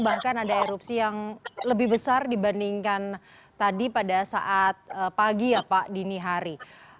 bahkan ada erupsi yang lebih besar dibandingkan tadi pada saat pagi ya pak dini hari